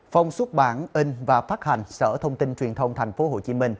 phòng xuất bản in và phát hành sở thông tin truyền thông tp hcm